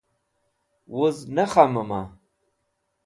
Wuz ne khamẽma